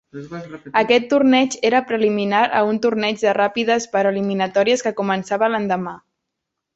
Aquest torneig era preliminar a un torneig de ràpides per eliminatòries que començava l'endemà.